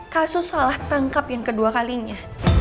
kasus salah tangkap yang kedua kalinya